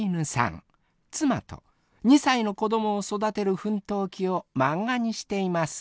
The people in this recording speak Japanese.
妻と２歳の子どもを育てる奮闘記を漫画にしています。